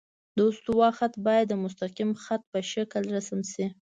د استوا خط باید د مستقیم خط په شکل رسم شي